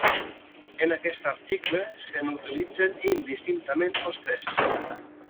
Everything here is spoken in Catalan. En aquest article se n'utilitzen, indistintament, els tres.